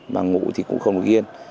mà ngủ thì cũng không được ghiêng